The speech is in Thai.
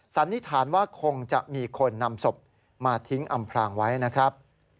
สันนิษฐานว่าคงจะมีคนนำศพมาทิ้งอำพรางไว้นะครับ